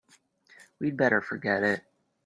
We'd better forget it.